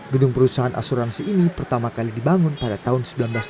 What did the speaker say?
gedung perusahaan asuransi ini pertama kali dibangun pada tahun seribu sembilan ratus delapan puluh